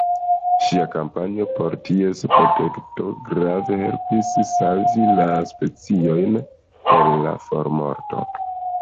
Ŝia kampanjo por ties protekto grave helpis savi la speciojn el la formorto.